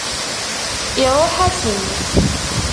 Iṛuḥ-asen.